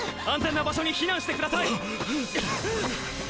安全な場所に避難してください！